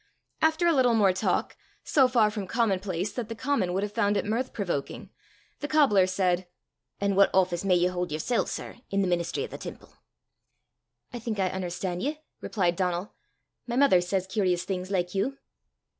After a little more talk, so far from commonplace that the common would have found it mirth provoking, the cobbler said: "An' what office may ye haud yersel', sir, i' the ministry o' the temple?" "I think I un'erstan' ye," replied Donal; "my mother says curious things like you."